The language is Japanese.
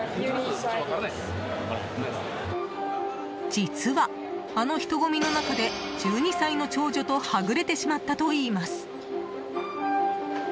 実は、あの人混みの中で１２歳の長女とはぐれてしまったといいます。